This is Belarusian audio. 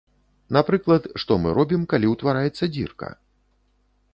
Напрыклад, што мы робім, калі ўтвараецца дзірка?